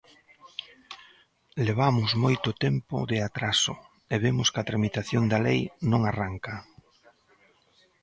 "Levamos moito tempo de atraso e vemos que a tramitación da lei non arranca".